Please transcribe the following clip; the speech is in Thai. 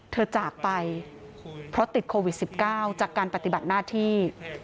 จากไปเพราะติดโควิด๑๙จากการปฏิบัติหน้าที่